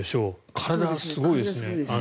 体、すごいですね。